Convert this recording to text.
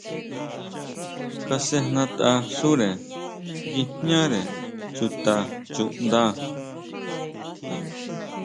Kasʼejnatʼaxúre nguijñare chuta chuʼnda.